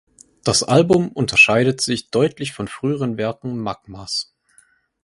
Das Album unterscheidet sich deutlich von früheren Werken Magmas.